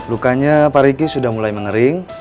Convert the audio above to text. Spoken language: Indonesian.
lukanya pak riki sudah mulai mengering